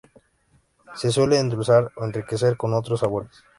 Se suele endulzar o enriquecer con otros sabores.